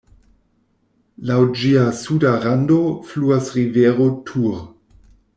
Laŭ ĝia suda rando fluas rivero Tur.